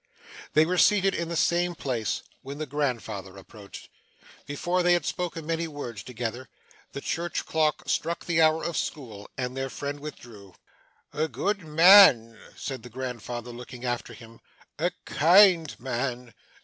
They were yet seated in the same place, when the grandfather approached. Before they had spoken many words together, the church clock struck the hour of school, and their friend withdrew. 'A good man,' said the grandfather, looking after him; 'a kind man.